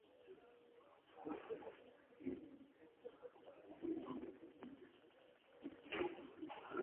osheleza katika mahitaji ya kuujenga mwili wake